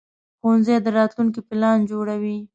ښوونځی د راتلونکي پلان جوړوي